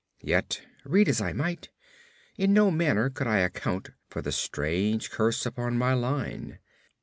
Yet read as I might, in no manner could I account for the strange curse upon my line.